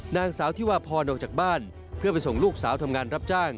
นางสาวที่วาพรออกจากบ้านเพื่อไปส่งลูกสาวทำงานรับจ้าง